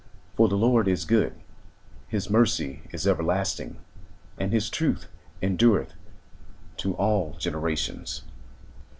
For the Lord is good; His mercy is everlasting; And his truth endureth to all generations.